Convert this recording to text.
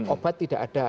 obat tidak ada